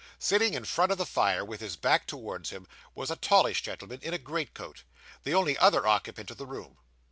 Sitting in front of the fire, with his back towards him, was a tallish gentleman in a greatcoat: the only other occupant of the room.